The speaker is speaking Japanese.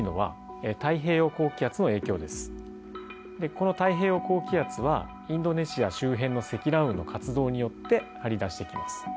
この太平洋高気圧はインドネシア周辺の積乱雲の活動によって張り出してきます。